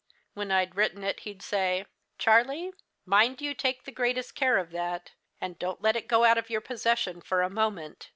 When I'd written it he'd say: "'Charlie, mind you take the greatest care of that; don't let it go out of your possession for a moment.